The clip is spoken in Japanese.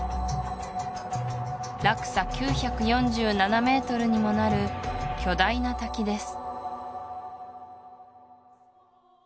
落差９４７ｍにもなる巨大な滝です